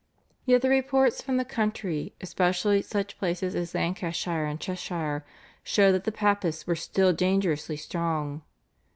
Yet the reports from the country, especially from such places as Lancashire and Cheshire, showed that the Papists were still dangerously strong.